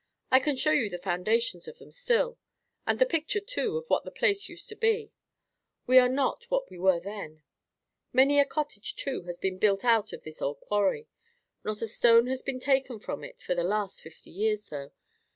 I can show you the foundations of them still; and the picture, too, of what the place used to be. We are not what we were then. Many a cottage, too, has been built out of this old quarry. Not a stone has been taken from it for the last fifty years, though.